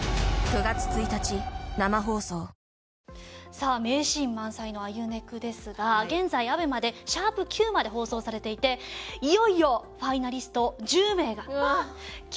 さあ名シーン満載の『アユネク』ですが現在ＡＢＥＭＡで♯９まで放送されていていよいよファイナリスト１０名が決定しました。